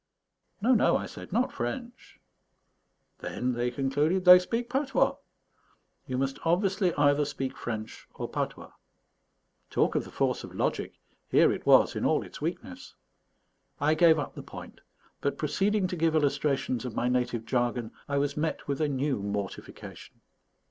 "No, no," I said, "not French." "Then," they concluded, "they speak patois." You must obviously either speak French or patois. Talk of the force of logic here it was in all its weakness. I gave up the point, but proceeding to give illustrations of ray native jargon, I was met with a new mortification.